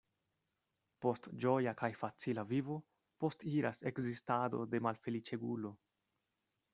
Post ĝoja kaj facila vivo postiras ekzistado de malfeliĉegulo.